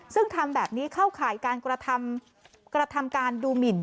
ซึ่งทำแบบนี้เข้าข่ายการกระทำการดูหมิน